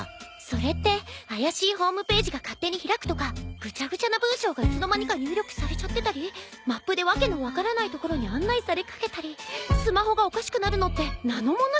それって怪しいホームページが勝手に開くとかぐちゃぐちゃな文章がいつの間にか入力されちゃってたりマップで訳の分からない所に案内されかけたりスマホがおかしくなるのってナノモンの仕業？